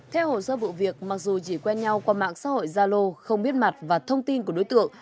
theo hồ sơ vụ việc mặc dù chỉ quen nhau qua mạng xã hội zalo không biết mặt và thông tin của đối tượng